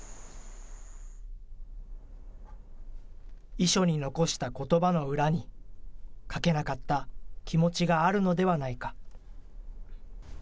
遺書に残したことばの裏に、書けなかった気持ちがあるのではないか。